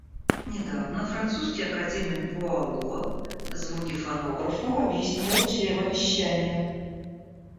Недавно французский академик Буало звуки фонографа объяснил чревовещанием.